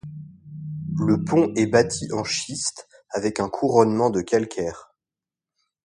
Le pont est bâti en schiste avec un couronnement de calcaire.